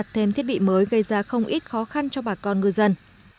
thêm thiết bị mới gây ra không ít khó khăn cho bà con ngư dân